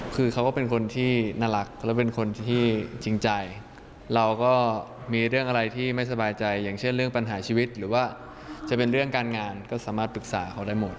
คือเขาก็เป็นคนที่น่ารักและเป็นคนที่จริงใจเราก็มีเรื่องอะไรที่ไม่สบายใจอย่างเช่นเรื่องปัญหาชีวิตหรือว่าจะเป็นเรื่องการงานก็สามารถปรึกษาเขาได้หมด